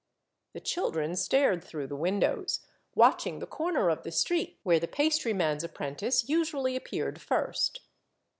The children stared through the windows, watching the corner of the street where the pastry man's appren tice usually appeared first.